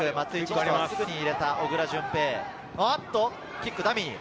キックはダミー。